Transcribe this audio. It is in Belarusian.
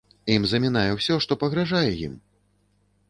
Ім замінае ўсё, што пагражае ім.